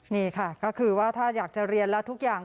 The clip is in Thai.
นี่ค่ะก็คือว่าถ้าอยากจะเรียนแล้วทุกอย่าง